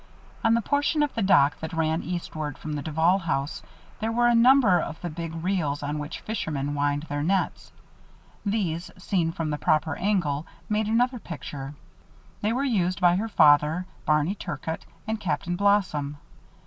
On the portion of the dock that ran eastward from the Duval house, there were a number of the big reels on which fishermen wind their nets. These, seen from the proper angle, made another picture. They were used by her father, Barney Turcott, and Captain Blossom.